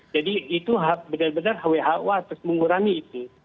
itu benar benar who harus mengurangi itu